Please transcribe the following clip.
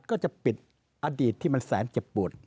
ก็จะปิดอดีตที่มันแสนเจ็บปวด